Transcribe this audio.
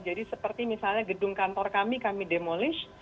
jadi seperti misalnya gedung kantor kami kami demolish